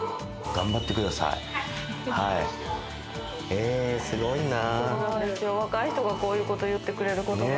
えすごいな。